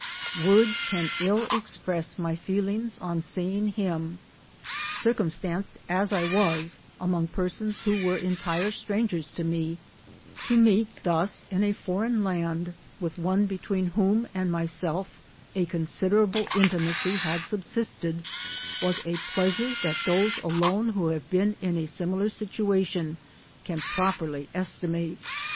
Words can ill express my feelings on seeing him. Circumstanced as I was, among persons who were entire strangers to rae, to meet thus in a foreign land, with one between whom and myself Jt considerable intimacy had subsisted, was a plea S 3 202 sure that those alone who have beea ia a simi lar sitaatioa can properly estimate.